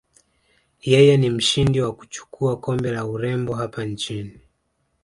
Yeye ni mshindi wa kuchukua kombe la urembo hapa nchini